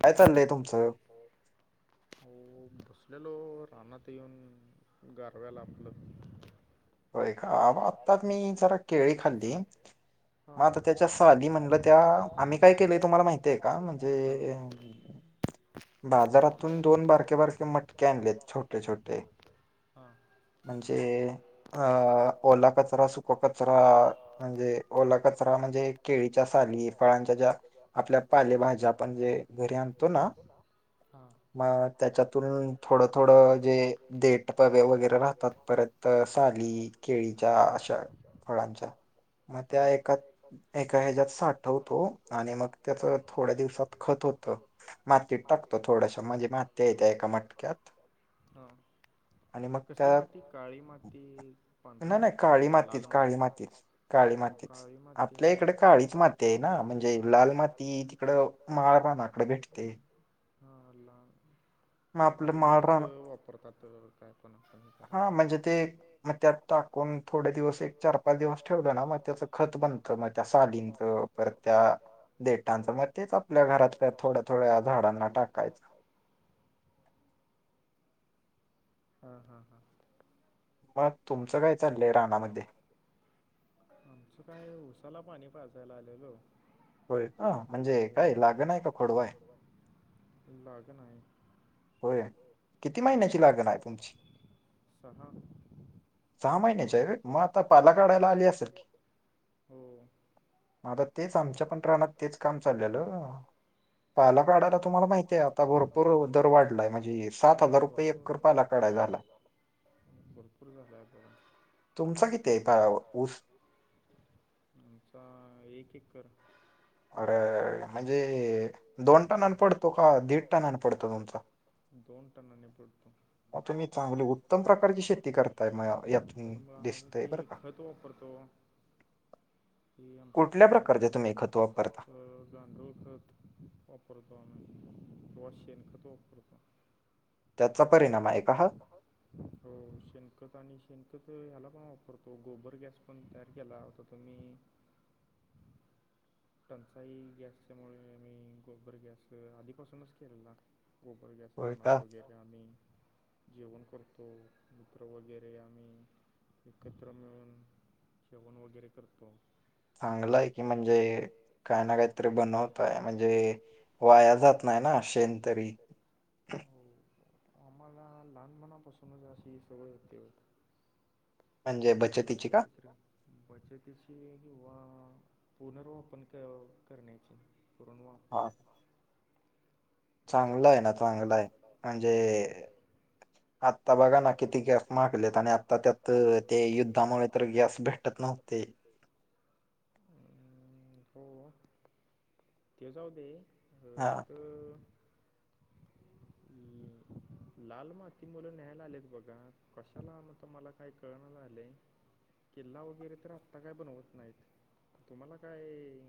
काय चाललंय तुमचं? हो बसलेलो रानात येऊन. गारव्याला आपलं. होय का? आता मी जरा केळी खाल्ली. मग आता त्याच्या सादी मेणबत्त्या, आम्ही काय केलेय तुम्हाला माहितीये का? ते. बाजारातून दोन बारके-बारके मटके आणलेत छोटे-छोटे. म्हणजे अ ओला कचरा सुक कचरा म्हणजे ओला कचरा म्हणजे केळीच्या साली फळांच्या ज्या आपल्या पाले भाज्या आपण जे घरी आणतो ना मग त्याच्यातून थोडं-थोडं जे डेट वगैरे राहतात परत अ पाली केळीच्या अशा फळांच्या मग त्या एकात, एका ह्याच्यात साठवतो आणि मग त्याच थोड्या दिवसात खत होत माती टाकतो थोड्याश म्हणजे माती येत्या एका मटक्यात. हा. आणि मग त काळी माती, पांढरी माती किंवा लाल माती, काळी माती [unintelligible] हा ला. काळी मातीच वापरतात काय पण हे करायला. त्यात टाकून, थोडे दिवस एक चार- पाच दिवस ठेवलं ना. मग त्याचं खत बनतं. मग त्या सालींचं परत त्या देटांचं. मग तेच, आपल्या घरातल्या थोड्या - थोड्या, झाडांना टाकायचं. हा, हा, हा. [unintelligible] सगळेच आपले राहणार की. आमचं काय? उसाला पाणी पाजायला आलेलो. आणि [unintelligible] लागनाय. हो. हो. किती महिन्यांची [unintelligible] सहा. सहा महिन्याची हाय होय. मग आता पाला काढायला, आली असल की. आता तेच. आमच्या पण रानात, तेच काम चालल्यालं. पाला काडायला तुम्हाला माहितीय. आता भरपूर दरवाढ लाय. म्हणजे हे सात हजार रुपये एकर पाला काढाय झाला. भरपूर झालाय भाव. तुमचा कितीय? माळावर. आमचा, एक एकर. अरे, म्हणजे दोन टनान पडतो का? दीड टनान पडतो तुमचा. दोन टनाने पडतो. तुम्ही चांगली उत्तम प्रकारची शेती करताय. ते खत वापरतो. ती आमच्या पाहुण्याताय. कोणत्या प्रकारचे तुम्ही खत वापरता. अ गांडूळ खत वापरतो आम्ही. किंवा शेन खत वापरतो. त्याचा परिणामय का हा? हो शेणखत. आणि शेणखत, ह्याला पण वापरतो. गोबरगॅस पण तयार केला होता. त मी टंचाई गॅसच्यामुळे. मी गोबरगॅस, आधीपासूनच केलेला. गोबरगॅस रानात वगैरे. आम्ही जेवण करतो. मित्र वगैरे आम्ही. एकत्र मिळून. जेवण वगैरे करतो. चांगलंय की. म्हणजे, काय ना काहीतरी बनवताय. म्हणजे, वाया जात नाही ना, शेण तरी. हो. आम्हाला, लहानपणापासूनच अशी सवई होती. असं काहीतरी बचतीची किंवा पुनर्वापन क करण्याची. पुरणवापर. चांगलंय ना. चांगलाय. म्हणजे आता बघा ना, किती गॅस म्हागलेत. आणि आता त्यात ते युद्धामुळे तर, गॅस भेटत नव्ह ते. अं. हो. ते जाऊ दे. [unintelligible] लाल माती मुलं न्याहायला आलेत बघा. कशाला आलेत? मला काय कळण झालय? किल्ला वगैरे तर, आत्ता काय बनवत नाहीत. तुम्हाला काय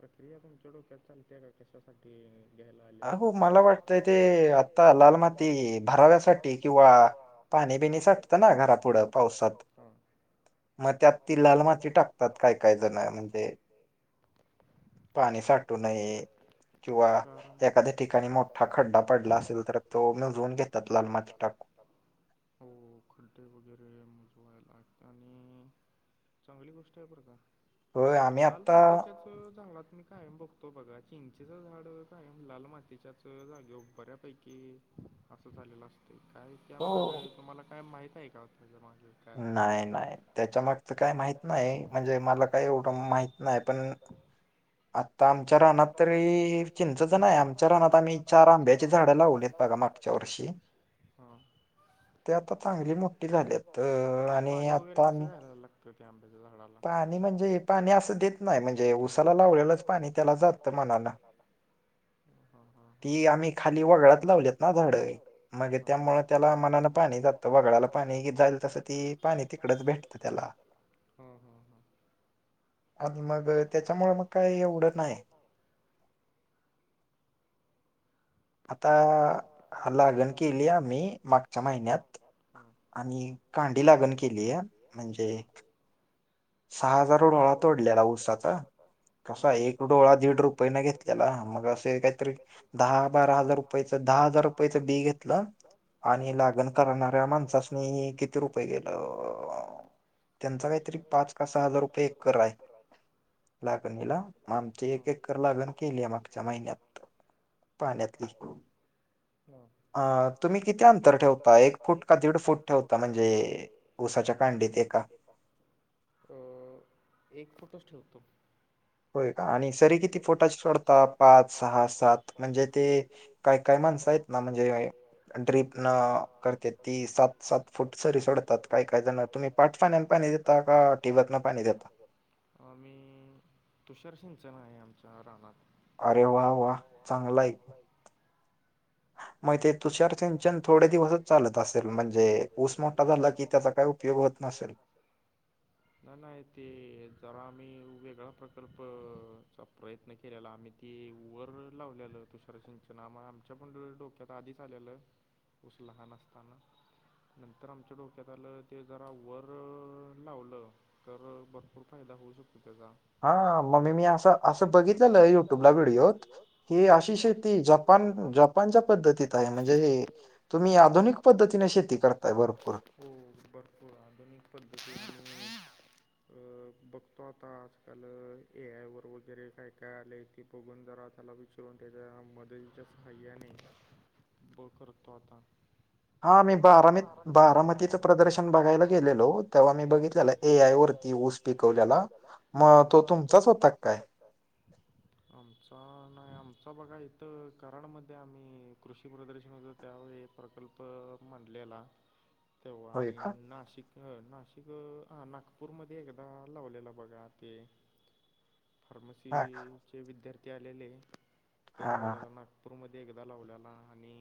प्रक्रिया, तुमच्या डोक्यात चालत्या काय, कशासाठी? घ्यायला आले असतील? अ मला वाटतं ते, आता लालमाती भराव्यासाठी किंवा पाणी बिनी साचत ना, घरापुढं. पावसाचं. म त्यात ती लाल माती टाकतात. काय- काय जन. म्हणजे पाणी साठू नये. किवा कारण. एखाद्या ठिकाणी, मोठा खडडा पडला असल तर, तो मिळवून घेतात. लाल माती टाकून. हो खुलत्य वगैरे मोजवायला आत आणि चांगली गोष्टय बरं का लाल मातेच्याच झाडात मी कायम बघतो बघा चिंचेचा झाड कायम लाल मातीच्याच जागेव बऱ्यापैकी असं झालेलं अस ते काय त्यामाग तुम्हाला काय माहित आहे का त्याच्या मागे काय नाय नाय त्याच्यामागच काय माहीत नाय म्हणजे मला काय एवढं माहीत नाय. आता आमच्या रानात तरी चिंचेच नाय आमच्या रानात आम्ही चार आंब्याची झाड लावलीत बघा मागच्या वर्षी ती आता चांगली मोठी झालीत अ पाणी वगैरे कसं घालायला म त्या आब्याच्या झाडाला, त आम्ही म्हणजे ऊस [unintelligible] ऊसाला लावलेलं पाणी त्याला जात मनाला हं हा हा हा ही आम्ही खाली वगळत लावले ना झाड म्हणजे त्यामुळ त्याला मनाला पाणी जातं वगळाला पाणी [unintelligible] पाणी तिकडच लोटतो त्याला हं हं हं मग त्याच्यामुळं मग काय एवढं नाय आता लागण केली आम्ही मागच्या महिन्यात आणि कांडी लागण केलिय म्हणजे सहा हजार वर डोळा तोडलेला ऊसाचा कसा एक डोळा दीड रुपये न घेतलेला मग असे कायतरी दहा बारा हजार रुपयच दहा हजार रुपयचं बी घेतलं आणि लागण करणाऱ्या माणसांसनी किती रूप रुपये गेल अअ त्यांचा काय तरी पाच का सहा हजार रुपये एकर आय. लागणीला म आमची एक ऐकर लागण केलीये मागच्या महिन्यात पाण्यातली [unintelligible] हं तुम्ही किती अंतर ठेवता एक फूट का दीड फूट ठेवता म्हणजे उसाच्या कांडीत एका अ एक फुटच ठेवतो बरं आणि सरी किती पोटाची करता पाच सहा सात म्हणजे ते काय काय म्हणतात ना म्हणजे [unintelligible] तीन तास [unintelligible] काय काय जण तुम्ही पाच सहा मिनिटांनी घेता का ट्युबातना पाणी घेत आम्ही तुषार सिंचन हाय आमच्या रानात अरे वा वा [unintelligible] मय ते तुषार सिंचन थोडे दिवसच चालत असेल म्हणजे ऊस मोठा झाला की त्याचा काय उपयोग होत नसेल. म नाय ती जरा मी वेगळा प्रकल्प चा प्रयत्न केलेला आम्ही ती वर लावल्यालं तुषार सिंगचं ना म आमच्या पण डोक्यात आधीच आलेलं ऊस लहान असताना नंतर आमच्या डोक्यात आलं ते जरा वर लावलं तर भरपूर फायदा होऊ शकतो त्याजा आपल्याला, म मी अस असं बघितलेलंय युट्यूबला व्हिडिओ की, अतिशय ती जपान जप जपान च्या पद्धतीत ये म्हणजे तुम्ही आधुनिक पद्धतीने शेती करताय गडी हो भरपूर आधुनिक पद्धतीनी अ बघतो आता आजकाल ए आय वररवगैरे काय काय आलय ते बघून जरा त्याला विचरून त्याज्या मदतीच्या सहाय्याने हो करतो आता हा मी बारामी बारामतीच प्रदर्शन बघायला गेलेलो तवा मी बघितल ए आय वर तो ऊस पिकवलेला म तो ऊस तुमचाच होता की काय आमचा नाही, आमचा बघा इथं कराडमध्ये आम्ही कृषी प्रदर्शन होत, त्यावर एक प्रकल्प मनलेला तेव्हा आणि नाशिक नाशिक, हा, नागपूरमध्ये एकदा लावलेला, बघा ते फार्मसीचे विद्यार्थी आलेले, ते लावल्याला ना नागपरमध्ये एकदा लावल्याला, आणि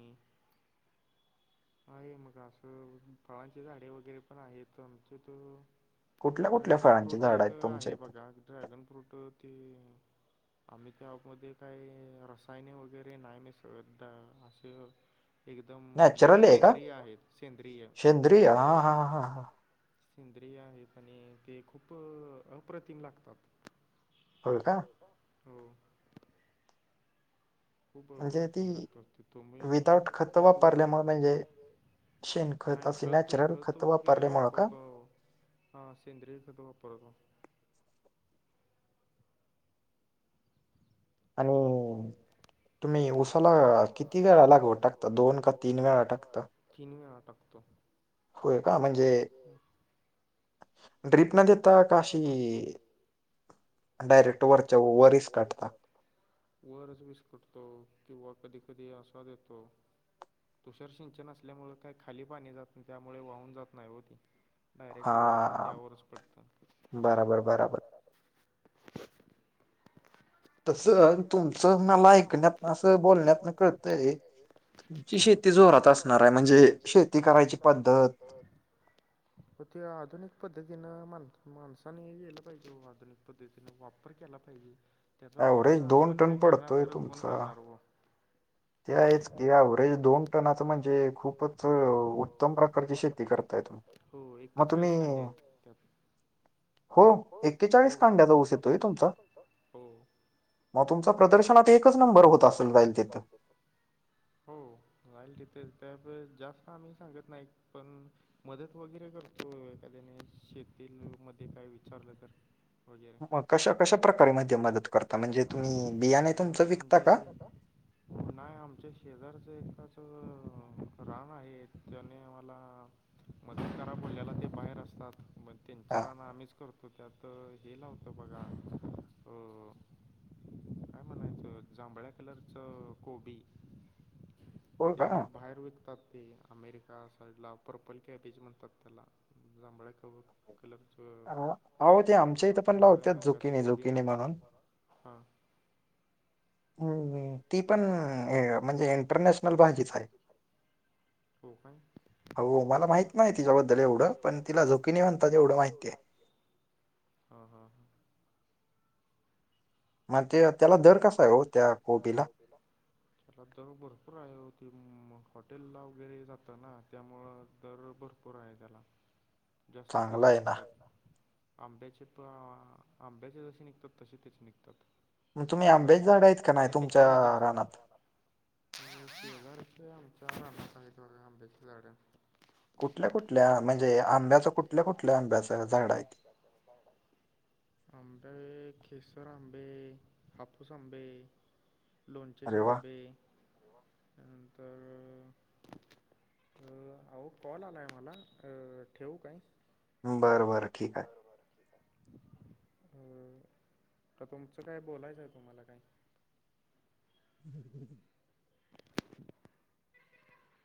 आहे, मग असं, फळांची झाडे वगैरे पण आहेत. आमचे त ड्रॅगन फ्रूट एक आहे बघा, ड्रॅगन फ्रूट ते आम्ही त्यामध्ये काय, रसायने वगैरे नाही मिसळत. तर अस एकदम सेंद्रिय आहेत, सेंद्रिय सेंद्रिय आहेत, आणि ते खूप अप्रतिम लागतात. होय का? हो. खूप [unintelligible] लागतात ते तुम्ही एकवेळ नाही खत, खत वगैरे वापरतो. हां, सेंद्रय खत वापरतो. आणि तुम्ही चला किती वेळा लागवदड टाकता, दोन का तीन वेळा टाकता? तीन वेळा टाकतो. होय का म्हणजे, ड्रीपन देता? का अशी डायरेक्ट वरच्या [unintelligible] वर असतात. वरच विस्कटतो, किंवा कधी-कधी असाद येतो. तुषार सिंचन असल्यामुळे, काय खाली पाणी जात नाही, त्यामुळे वाहून जात नाही ओ ते. डायरेक्ट वरून, त्यावरच पडतं. [unintelligible] [inaudible] की शेती जोरात असणार आहे, म्हणजे शेती करायची पद्धत हो ते, आधुनिक पद्धतीनं माण माणसाने गलं पाहिजे, आधुनिक पद्धती पद्धतीनं वापर केला पाहिजे. त्याचा वापर, आपण नाही करणार तर कोण करणार ओ? यावर दोन कणता म्हणजे, खूपच उत्तम प्रकारची शेती [unintelligible] हो, एकेचाळीस कांड्या आहेत. हो, एक्केचाळीस कांड्यात चांल्याला जावू शकतोय [unintelligible] मग तुमचा प्रदर्शनात एकच नंबर होत असेल, [unintelligible] हो, झाईल तिथे त [unintelligible] जास्त आम्ही सांगत नाही, पण मदत वगैरे करतो, एखाद्याने शेती मध्ये काय विचारलं तर म कशा कशा प्रकार म्हणजे मदत करणार, मदत म्हणजे नाही, आमच्या शेजारचं एकाच रान आहे, त्याने आम्हाला मदत करा बोलल्याला ते बाहेर असतात, मग त्यांच राना आम्हीच करतो. त्यात हे लावतो त बघा अ काय म्हणायचं? जांभळ्या कलरच कोबी त्यो, बाहेर विकतात ते अमेरिका साईडल, पर्पल कॅबेजी म्हणतात त्याला, जांभळे कव कलरच, जांभळ्या रंगाच कोबी म्हणतो, हा. हम्, ती पण म्हणजे इंटरनॅशनल भाजीच हाय. कोकण. हो मला माहित नाही तिच जवळच तेवढं, पण तिला झुकीनी म्हणतात एवढं माहिती आहे. हा हा. म्हणजे त्याला दर कसा आहे वो त्या बोबीला? त्याला दर भरपूर आहे होतें, मग हॉटेल ला वगैरे जातं ना त्यामुळं दर भर पुर राहिलेला. त्याला जास्त पैसे निघत्यात. आंब्याचे प्र आंब्याचे जसे निघतात तसे तेचे निघतात. किंवा त्या त्यापेक्षाही जास्त. घरचं आमच्या रानात हायीत आंब्याची झाडं. कुठल्या कुठल्या म्हणजे आंब्या तर कुठल्या झाडावर आंबे केसर आंबे. हापूस आंबे, लोणच्याचे आंबे. त्यानंतर अं अ अहो कॉल आलाय मला अं ठेवू काय? बर बर. बर बर. अ का तुमचं काय बोलायचं तुम्हाला काय? [inaudible] [inaudible]